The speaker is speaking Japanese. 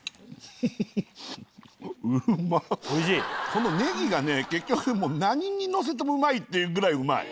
このネギがね結局何にのせてもうまいっていうぐらいうまい。